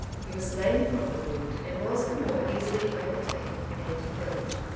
He was lame from the wound, and was the more easily overtaken and killed.